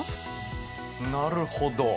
なるほど。